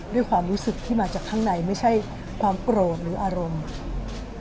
ด้วยความรู้สึกที่มาจากข้างในไม่ใช่ความโกรธหรืออารมณ์